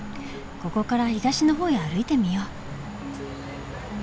ここから東のほうへ歩いてみよう。